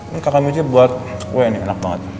ini kakak mieji buat kue nih enak banget